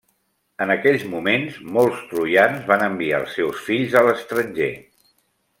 En aquell moment, molts troians van enviar els seus fills a l'estranger.